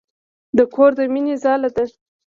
د کور د مينې ځاله ده.